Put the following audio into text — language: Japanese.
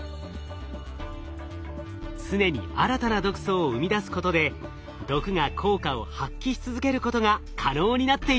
常に新たな毒素を生み出すことで毒が効果を発揮し続けることが可能になっていたのです。